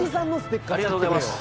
ありがとうございます